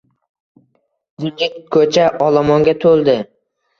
Jimjit koʼcha olomonga toʼldi.